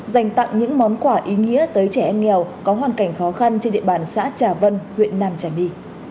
dành tặng những món quả ý nghĩa tới trẻ em nghèo có hoàn cảnh khó khăn trên địa bàn xã trả vân huyện nam trả my